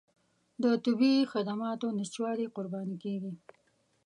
د طبي خدماتو نشتوالي قرباني کېږي.